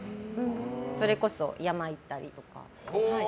それこそ山に行ったりとか。